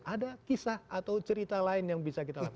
ada kisah atau cerita lain yang bisa kita lakukan